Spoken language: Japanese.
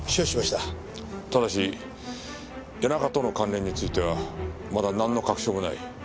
ただし谷中との関連についてはまだなんの確証もない。